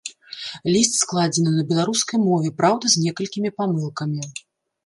Ліст складзены на беларускай мове, праўда, з некалькімі памылкамі.